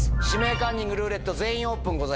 「指名カンニング」「ルーレット」「全員オープン」